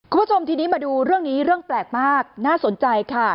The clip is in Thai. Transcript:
คุณผู้ชมทีนี้มาดูเรื่องนี้เรื่องแปลกมากน่าสนใจค่ะ